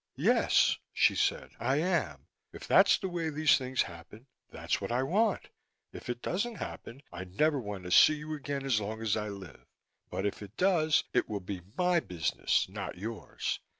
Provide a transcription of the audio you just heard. "Yes," she said. "I am. If that's the way these things happen, that's what I want. If it doesn't happen I never want to see you again so long as I live. But if it does, it will be my business, not yours.